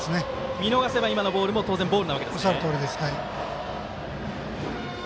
見逃せば、今のボールも当然ボールなわけですね。